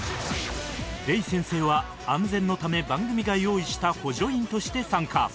レイ先生は安全のため番組が用意した補助員として参加